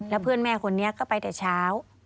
แล้วเพื่อนแม่คนนี้ก็ไปแต่เช้า